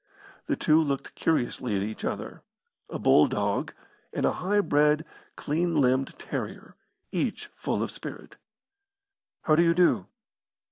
The two looked curiously at each other: a bull dog, and a high bred clean limbed terrier, each full of spirit. "How do you do?"